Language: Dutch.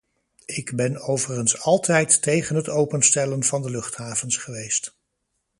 Ik ben overigens altijd tegen het openstellen van de luchthavens geweest.